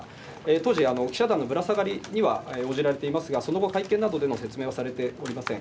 当時、記者団のぶら下がりには応じられていますが、その後会見などでの説明はされておりません。